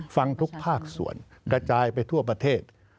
ฟังทุกภาคส่วนกระจายไปทั่วประเทศ